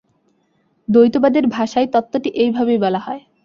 দ্বৈতবাদের ভাষায় তত্ত্বটি এইভাবেই বলা হয়।